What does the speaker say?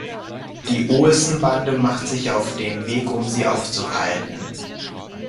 Die Olsenbande macht sich auf den Weg, um sie aufzuhalten.